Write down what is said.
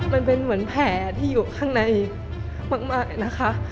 มันเป็นเหมือนแผลที่อยู่ข้างในมากนะคะ